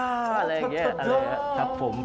อะไรอย่างนี้ครับผม